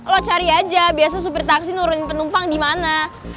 lo cari aja biasa supir taksi nurunin penumpang dimana